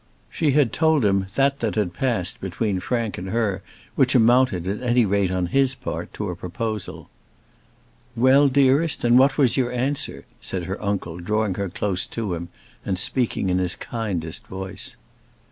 She had told him that that had passed between Frank and her which amounted, at any rate on his part, to a proposal. "Well, dearest, and what was your answer?" said her uncle, drawing her close to him, and speaking in his kindest voice.